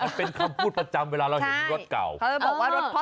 ก็เป็นคำพูดประจำเวลาเราเห็นรถเก่า